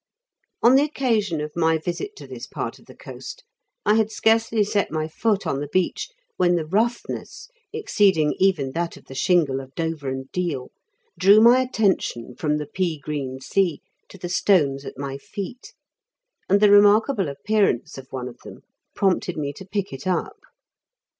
On the occasion of my visit to this part of the coast, I had scarcely set my foot on the beach when the roughness, exceeding even that of the shingle of Dover and Deal, drew my attention from the pea green sea to the stones at my feet, and the remarkable appear ance of one of them prompted me to pick it up.